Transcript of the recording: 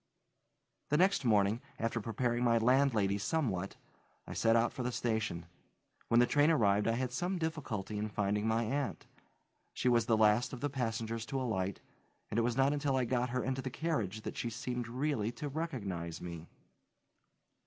The next morning, after preparing my landlady somewhat, I set out for the station. When the train arrived I had some difficulty in finding my aunt. She was the last of the passengers to alight, and it was not until I got her into the carriage that she seemed really to recognize me.